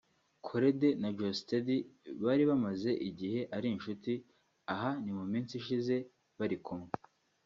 Korede na Geosteady bari bamaze igihe ari inshuti (aha ni mu minsi ishize bari kumwe)